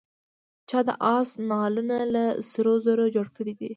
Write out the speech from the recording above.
چا د آس نعلونه له سرو زرو جوړ کړي دي.